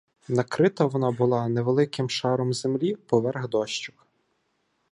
Накрита вона була невеликим шаром землі поверх дощок.